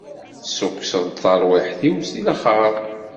Tessukkseḍ-d tarwiḥt-iw si laxert.